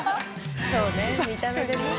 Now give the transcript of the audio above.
そうね見た目でね。